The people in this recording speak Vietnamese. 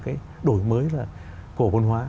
cái đổi mới là cổ bản hóa